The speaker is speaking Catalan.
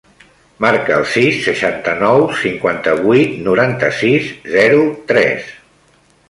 Marca el sis, seixanta-nou, cinquanta-vuit, noranta-sis, zero, tres.